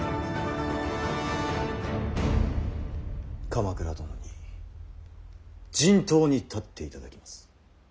鎌倉殿に陣頭に立っていただきます。